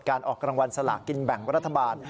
การออกกำลังวัลสลากินแบ่งรัฐบาล